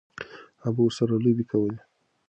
هغه به ورسره لوبې کولې.